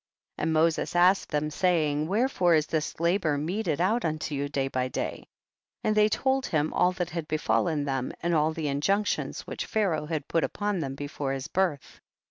35. And Moses asked them, say ing, wherefore is this labor meted out unto you day by day ? 36. And they told him all that had befallen them, and all the injunctions which Pharaoh had put upon them before his birth, 37.